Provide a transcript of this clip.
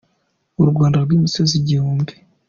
U Rwanda rw'imisozi igihumbi.